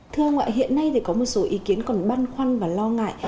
thưa ông ạ hiện nay thì có một số ý kiến còn băn khoăn và lo ngại